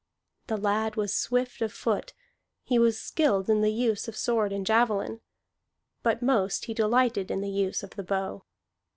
The lad was swift of foot; he was skilled in the use of the sword and javelin, but most he delighted in the use of the bow.